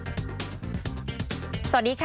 สวัสดีค่ะ